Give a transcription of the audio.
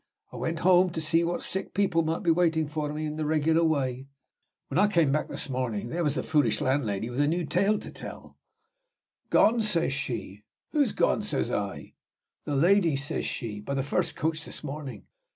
I went home to see what sick people might be waiting for me in the regular way. When I came back this morning, there was the foolish landlady with a new tale to tell 'Gone!' says she. 'Who's gone?' says I. 'The lady,' says she, 'by the first coach this morning!'"